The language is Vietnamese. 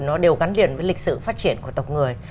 nó đều gắn liền với lịch sử phát triển của tộc người